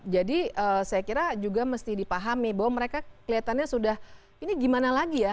jadi saya kira juga mesti dipahami bahwa mereka kelihatannya sudah ini gimana lagi ya